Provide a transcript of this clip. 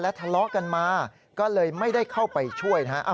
ทะเลาะกันมาก็เลยไม่ได้เข้าไปช่วยนะฮะ